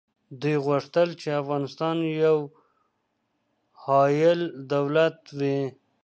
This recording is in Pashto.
دوی غوښتل چي افغانستان یو حایل دولت وي.